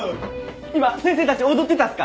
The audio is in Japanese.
今先生たち踊ってたすか？